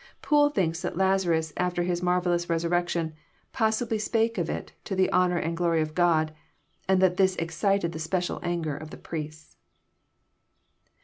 Poole thinks that Lazarus after his marvellous resurrection, '< possibly spake of it, to the honour and glory of God," and that this excited the special anger of the priests.